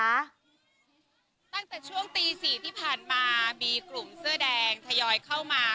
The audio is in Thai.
ตั้งแต่ช่วงตี๔ที่ผ่านมามีกลุ่มเสื้อแดงทยอยเข้ามา